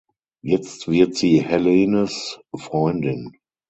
Jetzt wird sie Helenes Freundin.